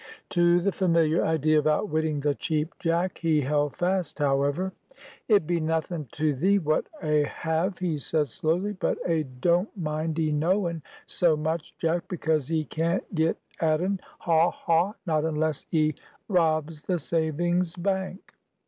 To the familiar idea of outwitting the Cheap Jack he held fast, however. "It be nothin' to thee what a have," he said slowly; "but a don't mind 'ee knowin' so much, Jack, because 'ee can't get at un; haw, haw! Not unless 'ee robs the savings bank."